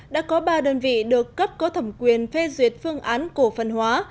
đã có ba đơn vị được cấp có thẩm quyền phê duyệt phương án cổ phần hóa